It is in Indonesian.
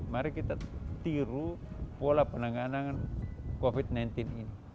mari kita tiru pola penanganan covid sembilan belas ini